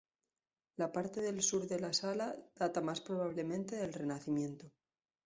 La parte del sur de la sala data más probablemente del Renacimiento.